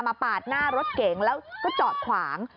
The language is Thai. ปาดหน้ารถเก๋งแล้วก็จอดขวาง